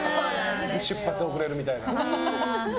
で、出発遅れるみたいな。